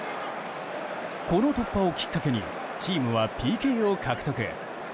この突破をきっかけにチームはＰＫを獲得。